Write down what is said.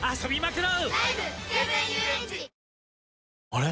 あれ？